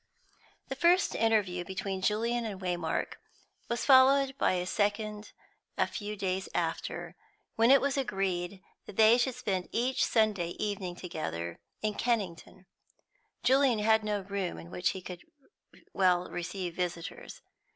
The first interview between Julian and Waymark was followed by a second a few days after, when it was agreed that they should spend each Sunday evening together in Kennington; Julian had no room in which he could well receive visitors.